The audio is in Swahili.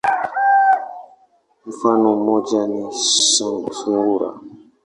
Mfano moja ni sungura.